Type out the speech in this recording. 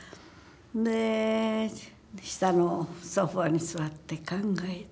で下のソファーに座って考えて。